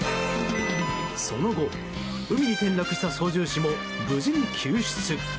その後、海に転落した操縦士も無事に救出。